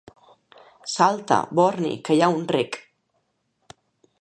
Salta, borni, que hi ha un rec.